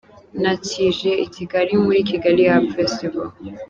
Ntakije i Kigali muri Kigali Up Festival.